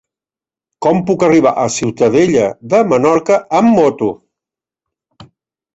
Com puc arribar a Ciutadella de Menorca amb moto?